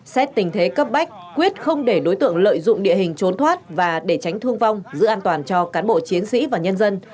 xét tình thế cấp bách quyết không để đối tượng lợi dụng địa hình trốn thoát và để tránh thương vong giữ an toàn cho cán bộ chiến sĩ và nhân dân